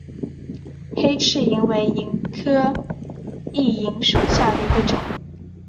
黑翅萤为萤科熠萤属下的一个种。